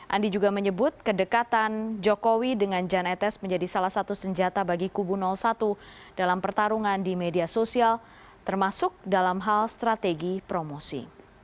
andi juga menyebut kedekatan jokowi dengan jan etes menjadi salah satu senjata bagi kubu satu dalam pertarungan di media sosial termasuk dalam hal strategi promosi